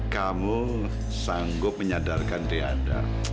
kamu sanggup menyadarkan diandra